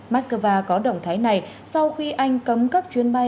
moscow có động thái này sau khi anh cấm các chuyến bay